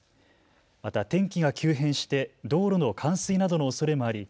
また天気が急変して道路の冠水などのおそれもあり